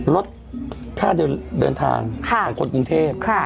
ลดค่าเดินทางของคนกรุงเทพ